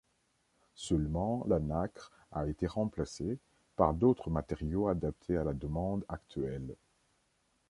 Seulement la nacre a été remplacée par d'autres matériaux adaptés à la demande actuelle.